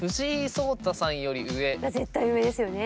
絶対上ですよね。